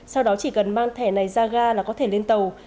sau đó chỉ cần mang thẻ này ra ga là có thể lên tàu